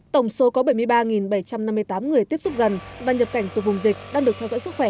tổng số có bảy mươi ba bảy trăm năm mươi tám người tiếp xúc gần và nhập cảnh từ vùng dịch đang được theo dõi sức khỏe